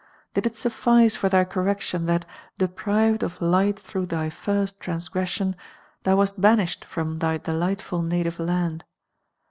I Did it suffice for thy correction tliat, deprived of light through thy first [lo] transgression, thou w:ist banislicd from thy delightful native land